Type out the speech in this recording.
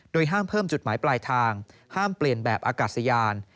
ห้ามเพิ่มจุดหมายปลายทางห้ามเปลี่ยนแบบอากาศยาน